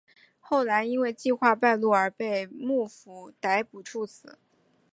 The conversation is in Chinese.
后来因为计划败露而被幕府逮捕处死。